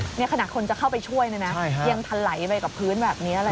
ในขณะคนจะเข้าไปช่วยยังทันไหลไปกับพื้นแบบนี้